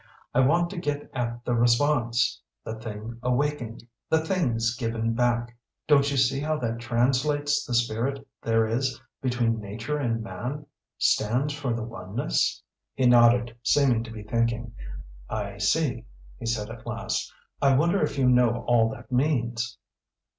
I want to get at the response the thing awakened the things given back. Don't you see how that translates the spirit there is between nature and man stands for the oneness?" He nodded, seeming to be thinking. "I see," he said at last. "I wonder if you know all that means?"